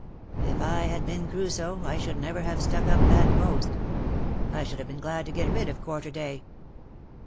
'' If I had been Crusoe^ I should never have stuck up that post. I should have been too glad to get rid of quarter day.